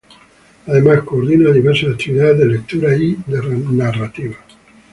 Además coordina diversas actividades de lectura y de narrativa.